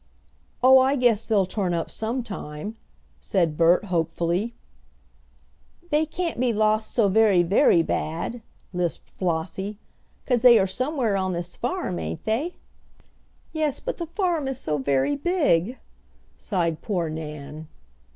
"Oh, I guess they'll turn up some time," said Bert hopefully. "They can't be lost so very, very bad," lisped Flossie. "'Cause they are somewhere on this farm, ain't they?" "Yes, but the farm is so very big!" sighed poor Nan.